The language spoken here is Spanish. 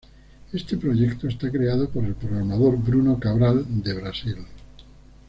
Este proyecto está creado por el programador Bruno Cabral de Brasil.